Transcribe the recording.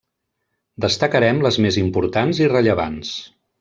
Destacarem les més importants i rellevants.